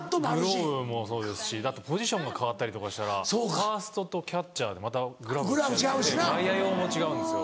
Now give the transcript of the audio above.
グラブもそうですしあとポジションが変わったりしたらファーストとキャッチャーでまたグラブが違くて外野用も違うんですよ。